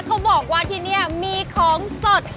เขาบอกว่าที่นี่มีของสด